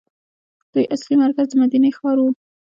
دوی اصلي مرکز د مدینې ښار وو.